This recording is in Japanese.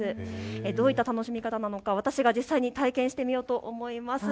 どういった楽しみ方なのか私が実際に体験してみようと思います。